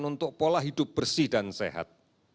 untuk pola hidup bersih dan sehat